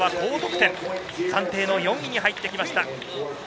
暫定４位に入ってきました。